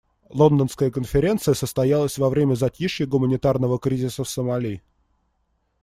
Лондонская конференция состоялась во время затишья гуманитарного кризиса в Сомали.